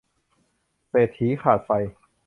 เศรษฐีขาดไฟ